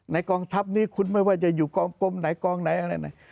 กองทัพนี้คุณไม่ว่าจะอยู่กองกลมไหนกองไหนอะไรไหน